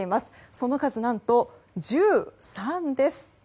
その数、何と１３です。